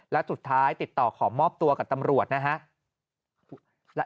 และสุดท้ายติดต่อขอมอบตัวกับตำรวจนะฮะ